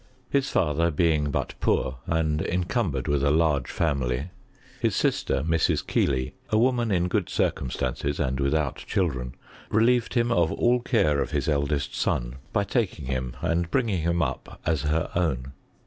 His father being but poor, and encumbered with a large family, bis sister, Mrs. Kei^hley. a woman in eood circumstances^ and without children, relieved him of all care of his eldest son, by taking hipi and bringing him up as her own.